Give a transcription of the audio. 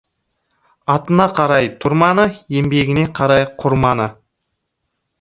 Атына қарай тұрманы, еңбегіне қарай қырманы.